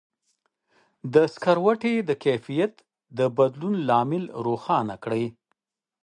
د سکروټي د کیفیت د بدلون لامل روښانه کړئ.